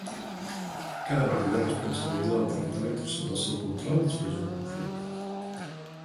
Cada partit es responsabilitza del territori sota el seu control després d'un conflicte.